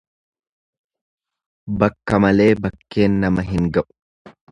Bakka malee bakkeen nama hin ga'u.